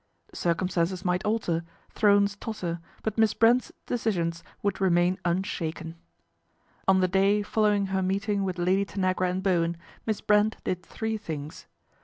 Circumstances might alter, thrones totter, but Miss Brent's decisions would remain unshaken. MISS BRENT'S STRATEGY 133 On the day following her meeting with Lady Tanagra and Bowen, Miss Brent did three things.